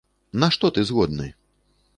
На што ты згодны?